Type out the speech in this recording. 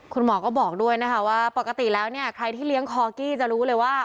คุณหมอก็บอกด้วยนะคะว่าปกติแล้วเนี่ยใครที่เลี้ยงคอกี้จะรู้เลยว่า